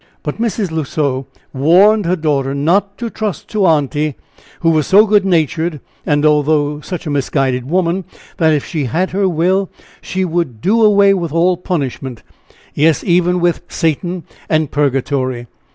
But Mrs. L'Oiseau warned her daughter not to trust to "Aunty," who was so good natured, and although such a misguided woman, that if she had her will she would do away with all punishment yes, even with Satan and purgatory!